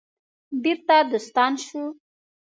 بیرته دوستان شو.